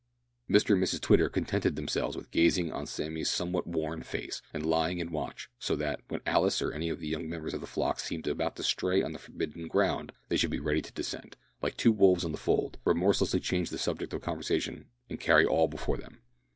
Mr and Mrs Twitter contented themselves with gazing on Sammy's somewhat worn face, and lying in watch, so that, when Alice or any of the young members of the flock seemed about to stray on the forbidden ground, they should be ready to descend, like two wolves on the fold, remorselessly change the subject of conversation, and carry all before them.